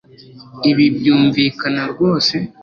Ibi byumvikana rwose